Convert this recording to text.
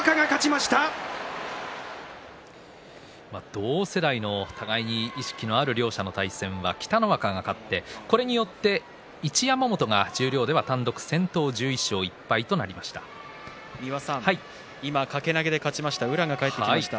同世代の互いに意識のある２人の対戦は、北の若が勝ってこれによって一山本が十両では今、掛け投げで勝ちました宇良が帰ってきました。